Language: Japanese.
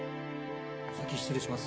お先失礼します。